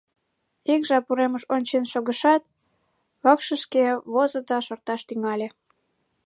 Ик жап уремыш ончен шогышат, вакшышке возо да шорташ тӱҥале.